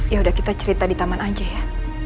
yaudah kita cerita di taman aja ya